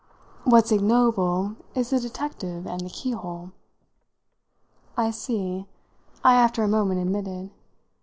What's ignoble is the detective and the keyhole." "I see," I after a moment admitted.